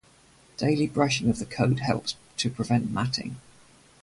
Daily brushing of the coat helps to prevent matting.